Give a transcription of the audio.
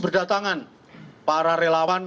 berdatangan para relawan